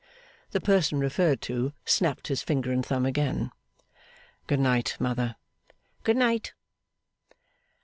The person referred to snapped his finger and thumb again. 'Good night, mother.' 'Good night.